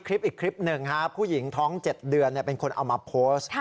คลิปอีกคลิปหนึ่งครับผู้หญิงท้อง๗เดือนเป็นคนเอามาโพสต์